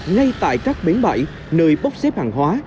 ngay tại các bến bãi nơi bốc xếp hàng hóa